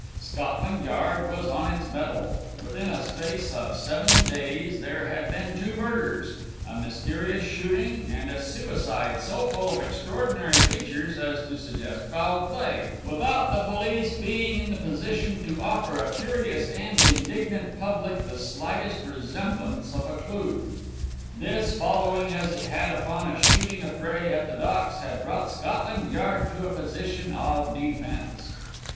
Scotland Yard was on its mettle. Within a space of seven days there had been two murders, a mysterious shooting, and a suicide so full of extraordinary features as to suggest foul play, without the police being in the position to offer a curious and indignant public the slightest resemblance of a clue. This, following as it had upon a shooting affray at the Docks, had brought Scotland Yard to a position of defence.